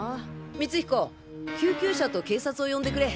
光彦救急車と警察を呼んでくれ。